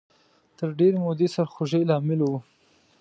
تر ډېرې مودې سرخوږۍ لامل و